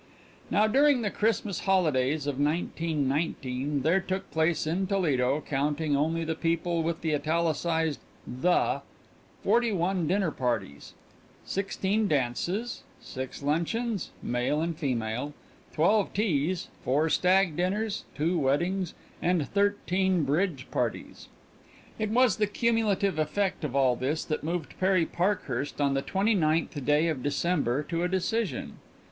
Now during the Christmas holidays of 1919 there took place in Toledo, counting only the people with the italicized the, forty one dinner parties, sixteen dances, six luncheons, male and female, twelve teas, four stag dinners, two weddings, and thirteen bridge parties. It was the cumulative effect of all this that moved Perry Parkhurst on the twenty ninth day of December to a decision.